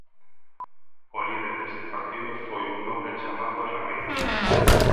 O líder deste partido foi un nobre chamado Ramiro.